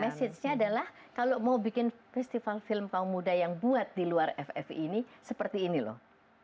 message nya adalah kalau mau bikin festival film kaum muda yang buat di luar ffi ini seperti ini loh